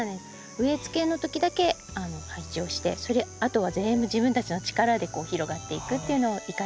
植えつけのときだけ配置をしてそれであとは全部自分たちの力で広がっていくっていうのを生かしています。